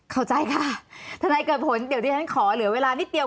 เข้าใจค่ะทนายเกิดผลเดี๋ยวดิฉันขอเหลือเวลานิดเดียว